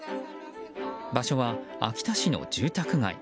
場所は秋田市の住宅街。